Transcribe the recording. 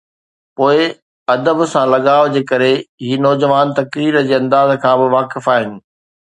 پوءِ ادب سان لڳاءُ جي ڪري هي نوجوان تقرير جي انداز کان به واقف آهن.